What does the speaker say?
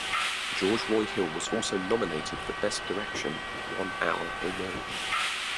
George Roy Hill was also nominated for best direction (one hour or more).